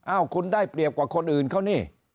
คุณได้เปรียบกว่าคนอื่นเขานี่